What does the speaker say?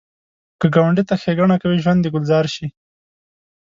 که ګاونډي ته ښیګڼه کوې، ژوند دې ګلزار شي